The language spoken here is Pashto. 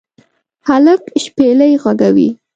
هلک شپیلۍ ږغوي